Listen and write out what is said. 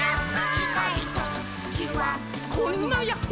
「ちかいときはこんなヤッホ」